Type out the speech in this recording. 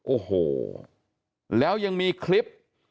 โอ้โหแล้วยังมีคลิป